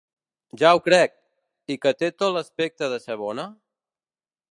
Ja ho crec! I que té tot l'aspecte de ser bona?